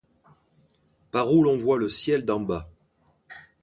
Par où l'on voit le ciel d'en bas.